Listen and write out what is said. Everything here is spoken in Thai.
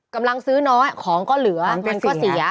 กำลังซื้อน้อยของก็เหลือเงินก็เสีย